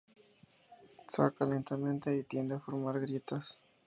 Seca lentamente y tiende a formar grietas.